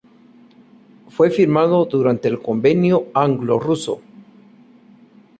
Fue firmado durante el Convenio anglo-ruso.